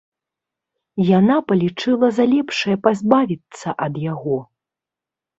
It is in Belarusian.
Яна палічыла за лепшае пазбавіцца ад яго.